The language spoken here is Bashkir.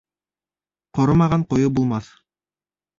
Ҡоромаған ҡойо булмаҫ.